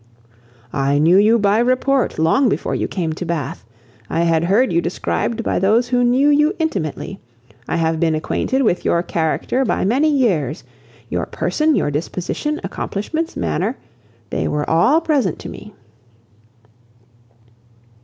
"I knew you by report long before you came to Bath. I had heard you described by those who knew you intimately. I have been acquainted with you by character many years. Your person, your disposition, accomplishments, manner; they were all present to me."